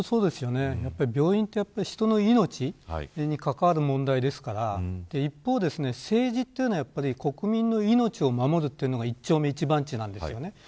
病院は人の命に関わる問題ですから一方、政治というのは国民の命を守るというのが一丁目一番地なんですよね。